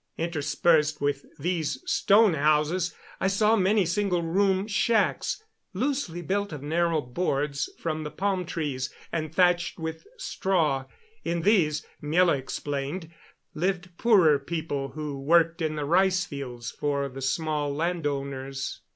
Interspersed with these stone houses I saw many single room shacks, loosely built of narrow boards from the palm trees, and thatched with straw. In these, Miela explained, lived poorer people, who worked in the rice fields for the small land owners.